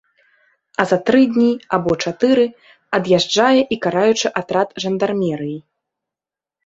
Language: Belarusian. А за тры дні або чатыры ад'язджае і караючы атрад жандармерыі.